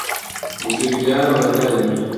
Ushirikiano katika jamii